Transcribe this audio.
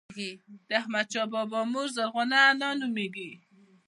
د احمدشاه بابا مور زرغونه انا نوميږي.